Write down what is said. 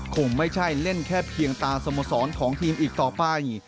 คงไม่ใช่เล่นแค่เพียงตาสโมสรของทีมอีกต่อไป